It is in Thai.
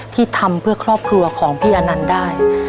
ที่ทำเพื่อครอบครัวของพี่อนันต์ได้